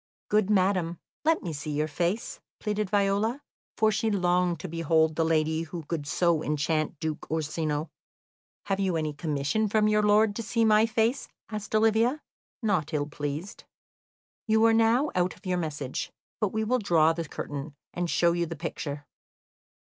"Good madam, let me see your face," pleaded Viola, for she longed to behold the lady who could so enchant Duke Orsino. "Have you any commission from your lord to see my face?" asked Olivia, not ill pleased. "You are now out of your message; but we will draw the curtain, and show you the picture.